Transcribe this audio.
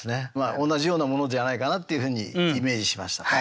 同じようなものじゃないかなっていうふうにイメージしました。